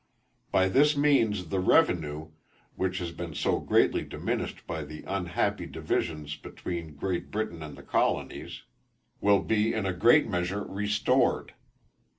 By this means the revenue, which has been so greatly diminished by the unhappy divisions between Great Britain and the colonies, will be in a great measure restored.